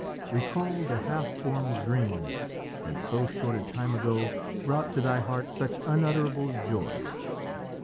Recall the half formed dreams that so short a time ago brought to thy heart such unutterable joy.